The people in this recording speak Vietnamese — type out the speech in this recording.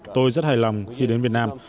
tôi rất hài lòng khi đến việt nam